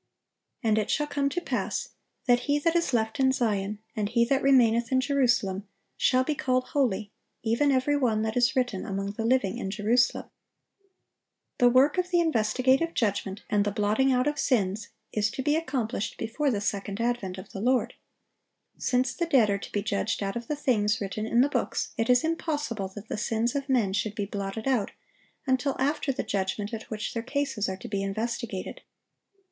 And it shall come to pass, that he that is left in Zion, and he that remaineth in Jerusalem, shall be called holy, even every one that is written among the living in Jerusalem."(865) The work of the investigative judgment and the blotting out of sins is to be accomplished before the second advent of the Lord. Since the dead are to be judged out of the things written in the books, it is impossible that the sins of men should be blotted out until after the judgment at which their cases are to be investigated.